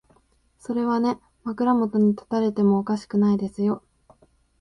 それはね、枕元に立たれてもおかしくないですよ。